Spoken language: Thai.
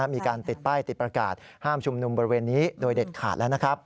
มีการติดป้ายติดประกาศห้ามชุมนุมบริเวณนี้โดยเด็ดขาดแล้ว